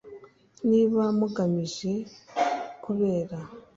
niba mugamije kubera